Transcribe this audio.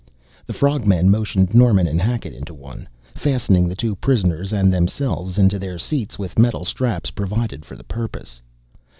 The frog men motioned Norman and Hackett into one, fastening the two prisoners and themselves into their seats with metal straps provided for the purpose.